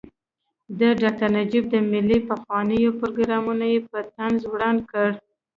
د ډاکټر نجیب د ملي پخلاینې پروګرام یې په طنز وران کړ.